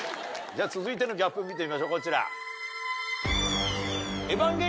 続いてのギャップ見てみましょうこちら。